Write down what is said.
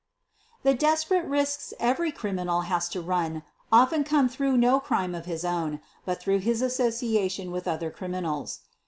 f The desperate risks every criminal has to run often come through no crime of his own, but through his association with other criminals.